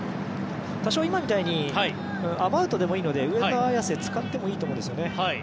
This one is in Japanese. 多少、今みたいにアバウトでもいいので上田綺世を使ってもいいところですよね。